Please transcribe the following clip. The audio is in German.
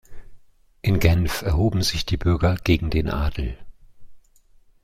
In Genf erhoben sich die Bürger gegen den Adel.